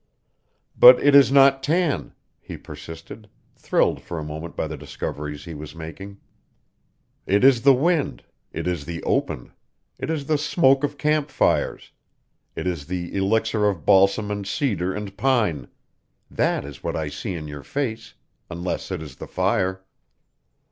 "But it is not tan," he persisted, thrilled for a moment by the discoveries he was making. "It is the wind; it is the open; it is the smoke of camp fires; it is the elixir of balsam and cedar and pine. That is what I see in your face unless it is the fire."